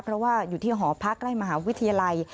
เพราะว่าอยู่ที่หอพักใกล้มหาวิทยาลัย